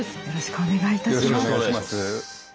よろしくお願いします。